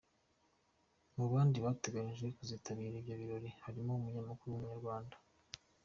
Mu bandi bateganijwe kuzitabira ibyo birori harimo umunyamakuru w’Umunyarwanda